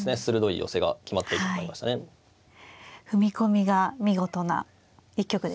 踏み込みが見事な一局でしたね。